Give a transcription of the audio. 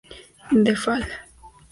The Fall.